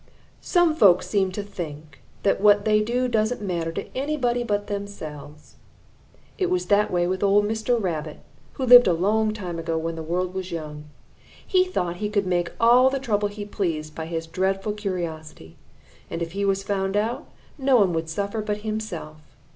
Some folks seem to think that what they do doesn't matter to anybody but themselves. That was the way with old Mr. Rabbit, who lived a long time ago when the world was young. He thought he could make all the trouble he pleased by his dreadful curiosity, and if he was found out, no one would suffer but himself.